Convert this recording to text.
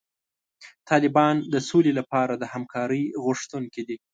طالبان د سولې لپاره د همکارۍ غوښتونکي دي.